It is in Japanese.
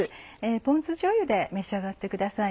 ポン酢じょうゆで召し上がってください。